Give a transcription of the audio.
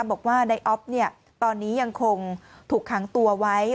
บอกว่านายอ๊อฟตอนนี้ยังคงถูกขังตัวไว้